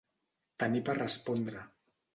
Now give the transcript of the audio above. Tenir per respondre.